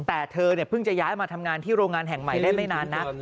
แต่เธอเพิ่งจะย้ายมาทำงานที่โรงงานแห่งใหม่ได้ไม่นานนัก